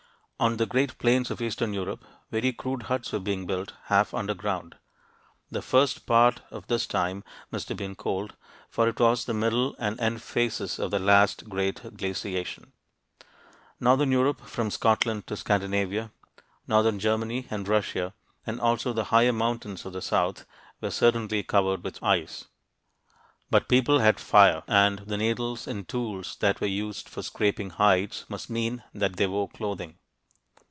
On the great plains of eastern Europe, very crude huts were being built, half underground. The first part of this time must have been cold, for it was the middle and end phases of the last great glaciation. Northern Europe from Scotland to Scandinavia, northern Germany and Russia, and also the higher mountains to the south, were certainly covered with ice. But people had fire, and the needles and tools that were used for scraping hides must mean that they wore clothing.